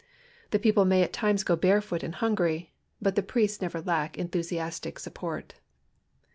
The people may at times go barefoot and hungry, but the priests never lack enthusiastic support.